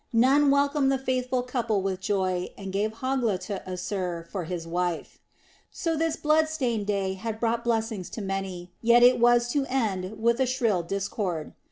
Nun welcomed the faithful couple with joy and gave Hogla to Assir for his wife. So this blood stained day had brought blessings to many, yet it was to end with a shrill discord.